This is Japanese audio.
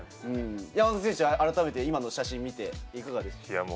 山中選手、改めて今の写真を見ていかがでしたか？